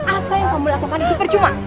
apa yang kamu lakukan itu percuma